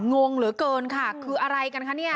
งงเหลือเกินค่ะคืออะไรกันคะเนี่ย